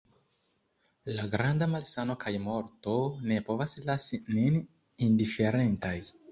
La granda malsano kaj morto ne povas lasi nin indiferentaj.